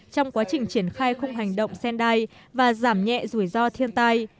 trong quá trình triển khai khung hành động sendai và giảm nhẹ rủi ro thiên tai